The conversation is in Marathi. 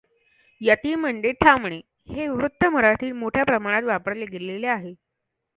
यती म्हणजे थांबणे. हे वृत्त मराठीत मोठ्या प्रमाणात वापरले गेले आहे.